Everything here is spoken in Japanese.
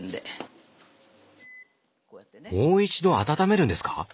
もう一度温めるんですか？